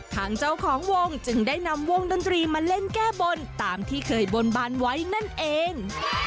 ทางเจ้าของวงจึงได้นำวงดนตรีมาเล่นแก้บนตามที่เคยบนบานไว้นั่นเอง